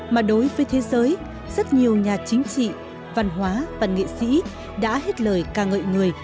mà đối với thế giới rất nhiều nhà chính trị văn hóa và nghệ sĩ đã hết lời ca ngợi người